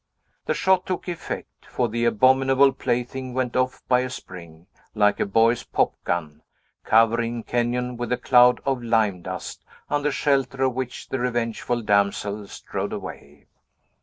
The shot took effect, for the abominable plaything went off by a spring, like a boy's popgun, covering Kenyon with a cloud of lime dust, under shelter of which the revengeful damsel strode away.